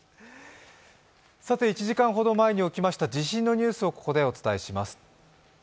１時間ほど前に起きました地震のニュースをお伝えします。